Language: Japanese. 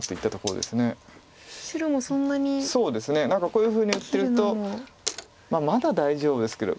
こういうふうに打ってるとまあまだ大丈夫ですけど。